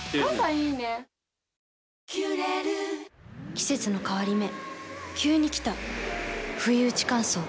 季節の変わり目急に来たふいうち乾燥。